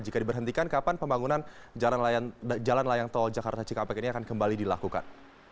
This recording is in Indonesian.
jika diberhentikan kapan pembangunan jalan layang tol jakarta cikampek ini akan kembali dilakukan